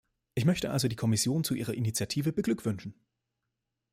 Ich möchte also die Kommission zu ihrer Initiative beglückwünschen.